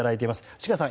内川さん